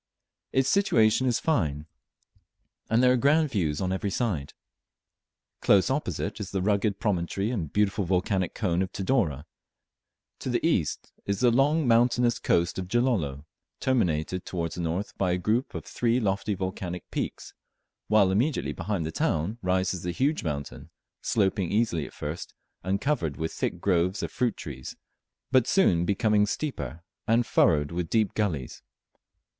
Its situation is fine, and there are grand views on every side. Close opposite is the rugged promontory and beautiful volcanic cone of Tidore; to the east is the long mountainous coast of Gilolo, terminated towards the north by a group of three lofty volcanic peaks, while immediately behind the town rises the huge mountain, sloping easily at first and covered with thick groves of fruit trees, but soon becoming steeper, and furrowed with deep gullies.